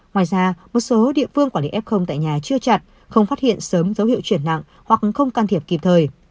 ngoài ra một số địa phương quản lý f tại nhà chưa chặt không phát hiện sớm dấu hiệu chuyển nặng hoặc không can thiệp kịp thời